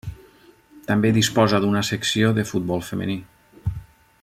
També disposa d'una secció de futbol femení.